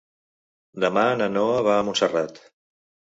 Demà na Noa va a Montserrat.